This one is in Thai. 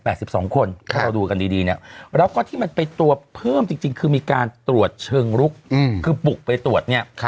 เพราะเราดูกันดีดีเนี่ยแล้วก็ที่มันไปตรวจเพิ่มจริงคือมีการตรวจเชิงลุกคือบุกไปตรวจเนี่ย